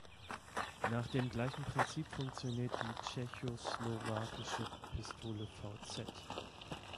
Nach dem gleichen Prinzip funktioniert die tschechoslowakische Pistole vz.